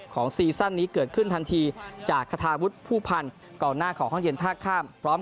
ซีซั่นนี้เกิดขึ้นทันทีจากคาทาวุฒิผู้พันธ์กองหน้าของห้องเย็นท่าข้ามพร้อม